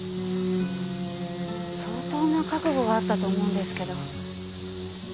相当な覚悟があったと思うんですけど。